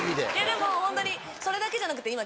でもホントにそれだけじゃなくて今。